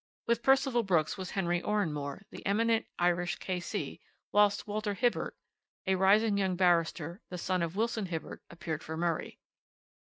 With Percival Brooks was Henry Oranmore, the eminent Irish K.C., whilst Walter Hibbert, a rising young barrister, the son of Wilson Hibbert, appeared for Murray.